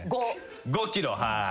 ５ｋｍはい。